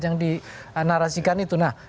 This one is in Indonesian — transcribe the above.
yang dinarasikan itu nah